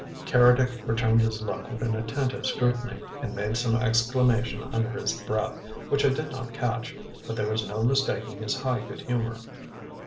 Keredec returned his look with an attentive scrutiny, and made some exclamation under his breath, which I did not catch, but there was no mistaking his high good humour.